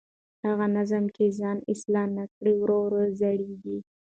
هغه نظام چې ځان اصلاح نه کړي ورو ورو زړېږي